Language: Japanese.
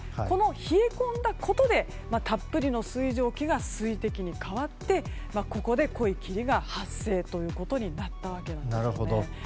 この冷え込んだことでたっぷりの水蒸気が水滴に変わってここで濃い霧が発生となったわけなんです。